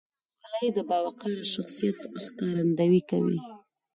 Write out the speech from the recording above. خولۍ د باوقاره شخصیت ښکارندویي کوي.